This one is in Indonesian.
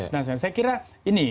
nah saya kira ini